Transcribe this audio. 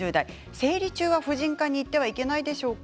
生理中は婦人科に行ってはいけないでしょうか。